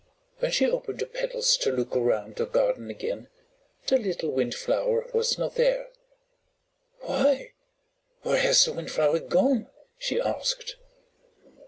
When she opened her petals to look around the garden again the little Windflower was not there. "Why, where has the Windflower gone?" she asked.